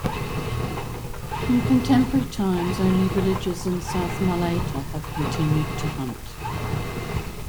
In contemporary times only villages in South Malaita have continued to hunt.